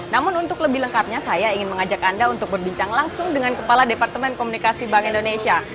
namun untuk lebih lengkapnya saya ingin mengajak anda untuk berbincang langsung dengan kepala departemen komunikasi bank indonesia